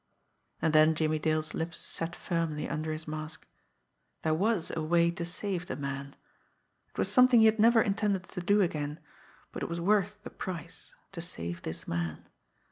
And then Jimmie Dale's lips set firmly under his mask. There was a way to save the man. It was something he had never intended to do again but it was worth the price to save this man.